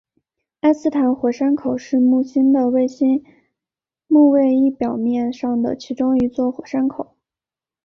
埃斯坦火山口是木星的卫星木卫一表面上的其中一座火山口。